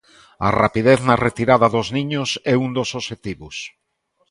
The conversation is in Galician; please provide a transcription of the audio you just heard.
A rapidez na retirada dos niños é un dos obxectivos.